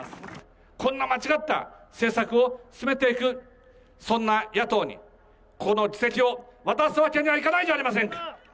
こんな間違った政策を進めていく、そんな野党にこの議席を渡すわけにはいかないじゃありませんか。